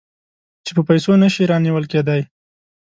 چې په پیسو نه شي رانیول کېدای.